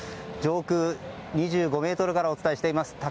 上空２５ｍからお伝えしています。